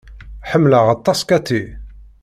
Ḥemmleɣ aṭas Cathy.